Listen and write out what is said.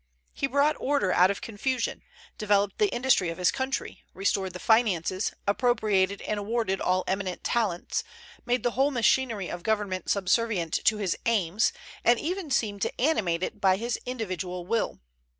He brought order out of confusion, developed the industry of his country, restored the finances, appropriated and rewarded all eminent talents, made the whole machinery of government subservient to his aims, and even seemed to animate it by his individual will.